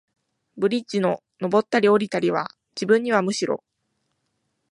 ブリッジの上ったり降りたりは、自分にはむしろ、